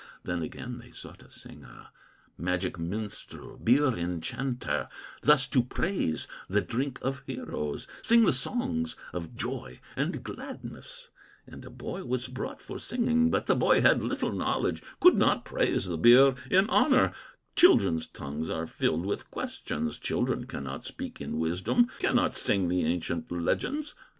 Then again they sought a singer, Magic minstrel, beer enchanter, Thus to praise the drink of heroes, Sing the songs of joy and gladness; And a boy was brought for singing; But the boy had little knowledge, Could not praise the beer in honor; Children's tongues are filled with questions, Children cannot speak in wisdom, Cannot sing the ancient legends.